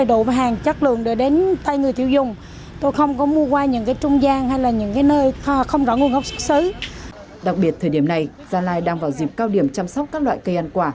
đặc biệt thời điểm này gia lai đang vào dịp cao điểm chăm sóc các loại cây ăn quả